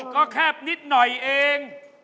ก็แคบนิดหน่อยเอง